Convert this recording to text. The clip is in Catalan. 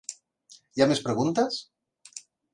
Hi ha més preguntes?